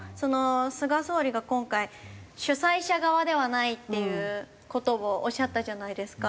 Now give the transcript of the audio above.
菅総理が今回主催者側ではないっていう事をおっしゃったじゃないですか。